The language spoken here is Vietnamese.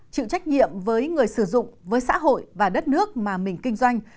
chịu trách nhiệm với người sử dụng với xã hội và đất nước mà mình kinh doanh